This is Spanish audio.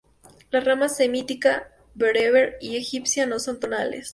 Las ramas semítica, bereber y egipcia no son tonales.